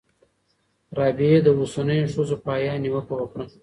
رابعې د اوسنیو ښځو په حیا نیوکه وکړه.